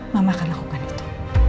mama akan lakukan itu